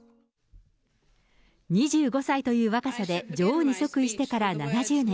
２５歳という若さで女王に即位してから７０年。